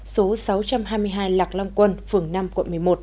số sáu trăm hai mươi hai lạc long quân phường năm quận một mươi một